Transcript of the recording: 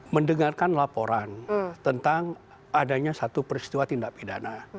mendengarkan laporan tentang adanya satu peristiwa tindak pidana